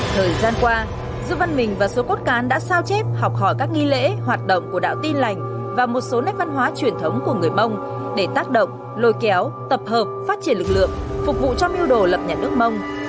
thời gian qua dương văn mình và số cốt cán đã sao chép học hỏi các nghi lễ hoạt động của đạo tin lành và một số nét văn hóa truyền thống của người mông để tác động lôi kéo tập hợp phát triển lực lượng phục vụ cho mưu đồ lập nhà nước mông